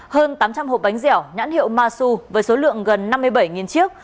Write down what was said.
hơn tám trăm linh hộp bánh dẻo nhãn hiệu masu với số lượng gần năm mươi bảy chiếc